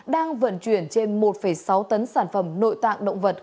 đang vận chuyển trên một sáu tấn sản phẩm nội tạng động vật